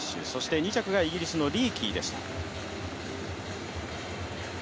２着がイギリスのリーキーでした。